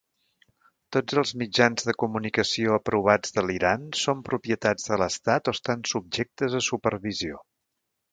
Tots els mitjans de comunicació aprovats de l'Iran són propietat de l'estat o estan subjectes a supervisió.